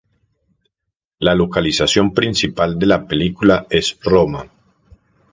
La localización principal de la película es Roma.